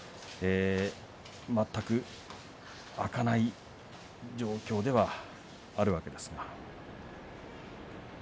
全く空かない状況ではあるわけです。